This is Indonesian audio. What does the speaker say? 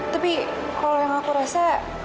tapi kalau yang aku rasa